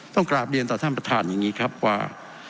กราบเรียนต่อท่านประธานอย่างนี้ครับว่า